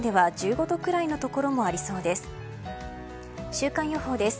週間予報です。